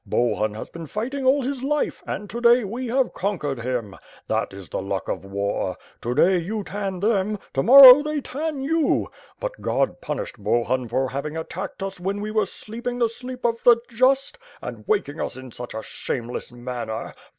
Bohun has been fighting all his life, and to day we have conquered him. That is the luck of war. To day you tan them; to morrow they tan you. But God punished Bohun for having attacked us when we were sleeping the sleep of the just, and waking us in such a shameless manner.